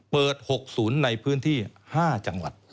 เปิด๖ศูนย์ในพื้นที่๕จังหวัด